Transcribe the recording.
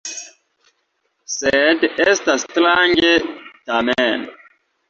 Sed estas strange, tamen.